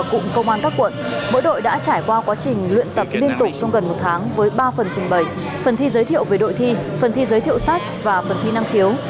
cụm công an các quận mỗi đội đã trải qua quá trình luyện tập liên tục trong gần một tháng với ba phần trình bày phần thi giới thiệu về đội thi phần thi giới thiệu sách và phần thi năng khiếu